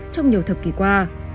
trong nhiều thập kỷ qua